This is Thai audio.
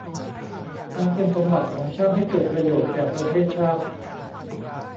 อันเป็นสมบัติของชาติให้เกิดประโยชน์แก่ประเทศชาติ